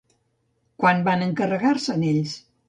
Quan van encarregar-se'n ells?